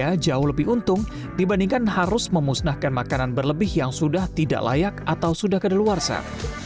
memiliki keuntungan yang lebih untung dibandingkan harus memusnahkan makanan berlebih yang sudah tidak layak atau sudah kedeluarsan